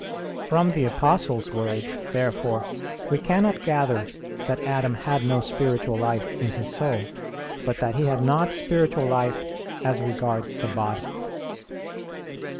From the Apostle's words, therefore, we cannot gather that Adam had no spiritual life in his soul; but that he had not spiritual life as regards the body.